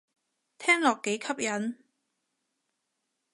聽落幾吸引